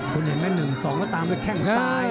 คุณเห็นไหม๑๒แล้วตามด้วยแข้งซ้าย